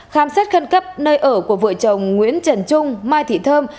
khám xét khẩn cấp nơi ở của vợ chồng nguyễn trần trung mai thị thơm